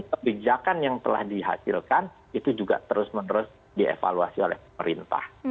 kebijakan yang telah dihasilkan itu juga terus menerus dievaluasi oleh pemerintah